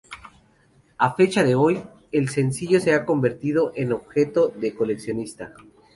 A fecha de hoy, el sencillo se ha convertido en objeto de coleccionista.